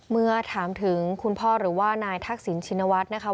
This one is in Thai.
เมื่อถามถึงคุณพ่อหรือว่านายทักษิณชินวัฒน์นะคะ